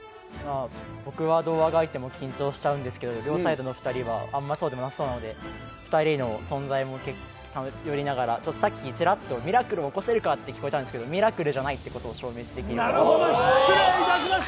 僕はどうあがいても緊張しちゃうんですけれども、両サイドの２人はあんまりそうでもなさそうなので、２人にも頼りながらさっきちらっとミラクルを起こせるかって聞こえたんですがミラクルじゃないってことを証明できればと思います。